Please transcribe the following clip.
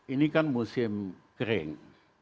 ini kan musim kering